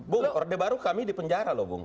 bung orde baru kami dipenjara loh bung